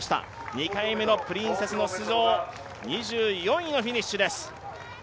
２回目のプリンセスの出場、２４位のフィニッシュです。